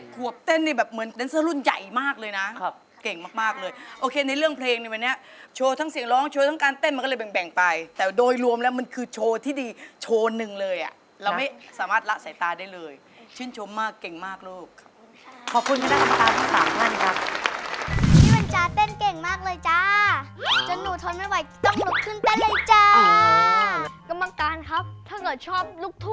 ๑๑ครับนี่นะครับครับครับ